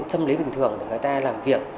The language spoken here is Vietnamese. tâm lý bình thường để người ta làm việc